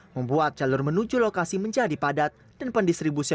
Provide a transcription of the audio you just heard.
membuat jalur menuju lokasi menjadi padat dan pendistribusian